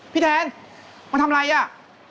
พี่แทนมาทำอะไรอ่ะ